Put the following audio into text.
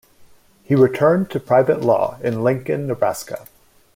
He returned to private law in Lincoln, Nebraska.